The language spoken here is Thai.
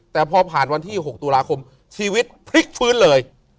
แต่พอผ่านวันที่๖ตุลาคมชีวิตพลิกฟื้นเลย